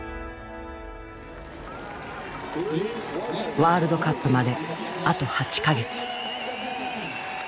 ワールドカップまであと８か月。